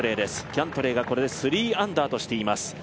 キャントレーがこれで３アンダーとしています。